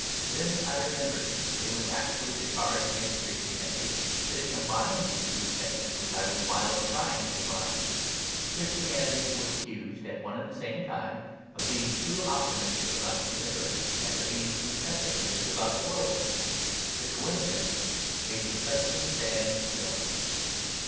Then I remembered that it was actually the charge against Christianity that it combined these two things which I was wildly trying to combine. Christianity was accused, at one and the same time, of being too optimistic about the universe and of being too pessimistic about the world. The coincidence made me suddenly stand still.